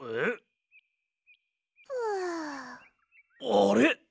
あれ？